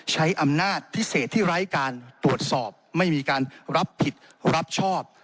ใช้อำนาจพิเศษที่ไร้การตรวจสอบไม่มีการรับผิดรับชอบ